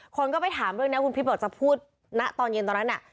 คนก็ไปถามเรื่องนี้คุณพิษบอกจะพูดณตอนเย็นตอนนั้นน่ะ